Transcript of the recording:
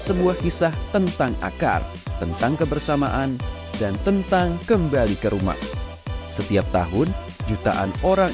sebuah kisah tentang akar tentang kebersamaan dan tentang kembali ke rumah setiap tahun jutaan orang